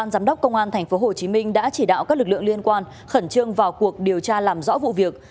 giám đốc công an tp hcm đã chỉ đạo các lực lượng liên quan khẩn trương vào cuộc điều tra làm rõ vụ việc